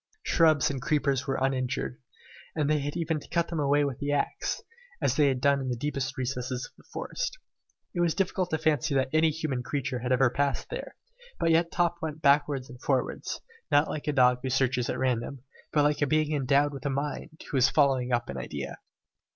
Shrubs and creepers were uninjured, and they had even to cut them away with the axe, as they had done in the deepest recesses of the forest. It was difficult to fancy that any human creature had ever passed there, but yet Top went backwards and forwards, not like a dog who searches at random, but like a being endowed with a mind, who is following up an idea.